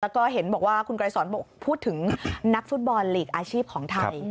แล้วก็เห็นบอกว่าคุณไกรสอนพูดถึงนักฟุตบอลลีกอาชีพของไทย